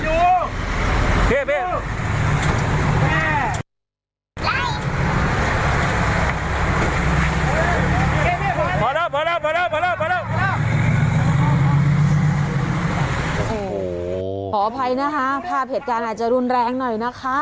โอ้โหขออภัยนะคะภาพเหตุการณ์อาจจะรุนแรงหน่อยนะคะ